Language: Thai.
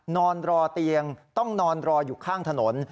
นอนรอเตียงต้องนอนรออยู่ข้างถนน